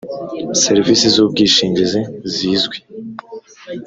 serivisi z ubwishingizi zizwi